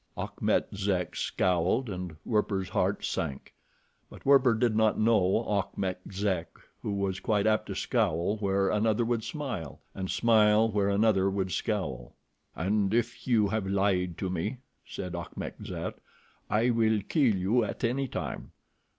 Achmet Zek scowled and Werper's heart sank; but Werper did not know Achmet Zek, who was quite apt to scowl where another would smile, and smile where another would scowl. "And if you have lied to me," said Achmet Zek, "I will kill you at any time.